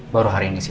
baru hari ini sih